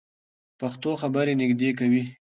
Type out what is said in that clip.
پښتو خبرې نږدې کوي.